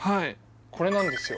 これなんですよ